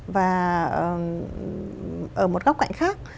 và ở một góc cạnh khác